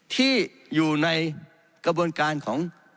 ที่อยู่ในกระบวนการของ